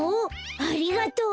ありがとう！